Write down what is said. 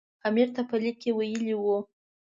امیر ته په لیک کې ویلي وو.